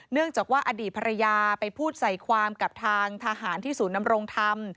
เนื่องจากว่าอดีตภรรยาไปพูดใส่ความกับทางทหารที่ศูนย์นำรงธรรม